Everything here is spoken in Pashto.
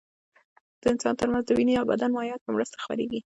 د انسانانو تر منځ د وینې او بدن مایعاتو په مرسته خپرېږي.